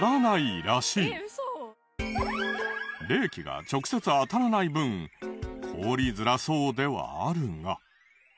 冷気が直接当たらない分凍りづらそうではあるが。